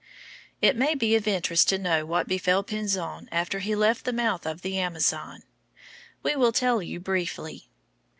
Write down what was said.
It may be of interest to know what befell Pinzon after he left the mouth of the Amazon. We will tell you briefly.